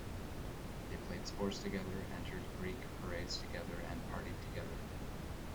They played sports together, entered "greek" parades together, and partied together.